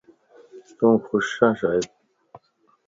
تون خوش ائين شايد